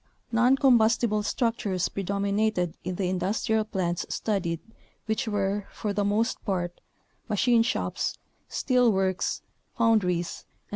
Noncombustible structures predominated in the industrial plants studied which were, for the most part, machine shops, steel works, 97 CO 00 Photo 3 5.